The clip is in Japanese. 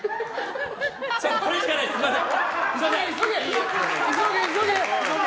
これしかないです、すみません！